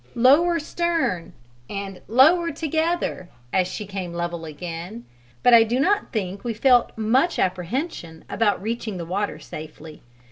"Lower stern!" and "Lower together!" as she came level again but I do not think we felt much apprehension about reaching the water safely.